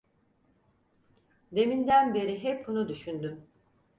Deminden beri hep bunu düşündüm…